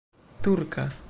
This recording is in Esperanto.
turka